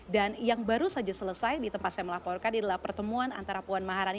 dan yang baru saja selesai di tempat saya melaporkan adalah pertemuan antara puan maharani